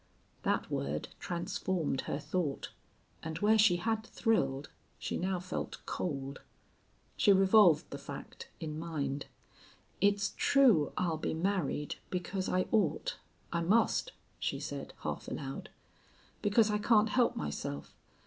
That word transformed her thought, and where she had thrilled she now felt cold. She revolved the fact in mind. "It's true, I'll be married, because I ought I must," she said, half aloud. "Because I can't help myself.